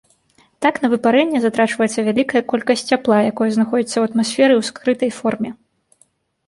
Так, на выпарэнне затрачваецца вялікая колькасць цяпла, якое знаходзіцца ў атмасферы ў скрытай форме.